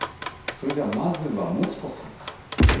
それではまずはもちこさんから。